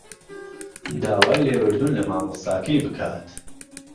داوای لێبوردن لە مامۆستاکەی بکات